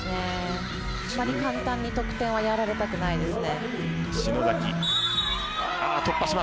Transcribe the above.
あまり簡単に得点やられたくないですね。